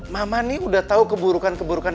mama nih udah tahu keburukan keburukan